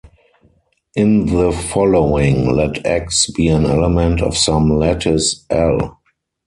In the following, let "x" be an element of some lattice "L".